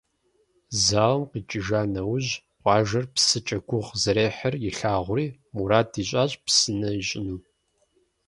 Зауэм къикӏыжа нэужь, къуажэр псыкӏэ гугъу зэрехьыр илъагъури, мурад ищӏащ псынэ ищӏыну.